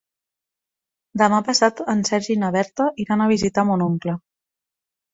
Demà passat en Sergi i na Berta iran a visitar mon oncle.